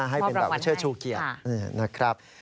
ให้เป็นแบบเชิดชูเกียรตินะครับ